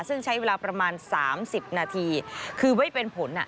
ซึ่งใช้เวลาประมาณ๓๐นาทีคือไม่เป็นผล